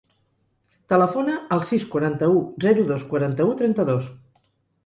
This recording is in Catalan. Telefona al sis, quaranta-u, zero, dos, quaranta-u, trenta-dos.